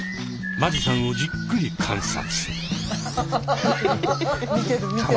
間地さんをじっくり観察。